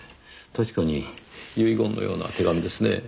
確かに遺言のような手紙ですねぇ。